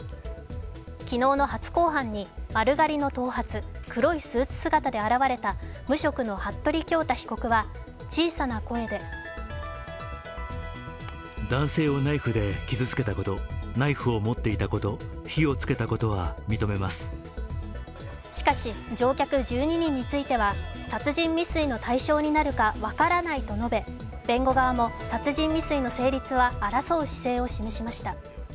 昨日の初公判に丸刈りの頭髪、黒いスーツ姿で現れた無職の服部恭太被告は小さな声でしかし、乗客１２人については殺人未遂の対象になるか分からないと述べ、弁護側も殺人未遂の成立は争う姿勢を示しました。